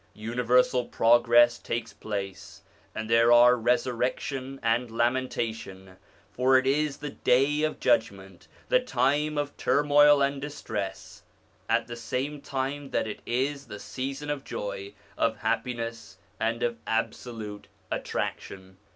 Universal progress takes place, and there are resurrection and lamentation ; for it is the day of judgment, the time of turmoil and distress, at the same time that it is the season of joy, of happiness, and of absolute attraction.